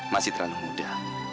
masih terlalu muda